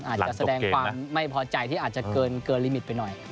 อาจจะแสดงความไม่พอใจที่อาจจะเกินลิมิตไปหน่อย